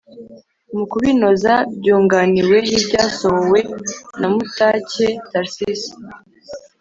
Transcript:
Mu kubinoza byunganiwe n’ibyasohowe na Mutake Tharcisse